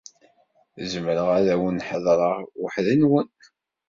Zemreɣ ad awen-heḍṛeɣ weḥd-nwen?